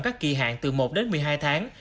các kỳ hạn từ một đến một mươi hai tháng